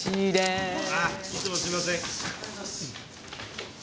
ああいつもすいません。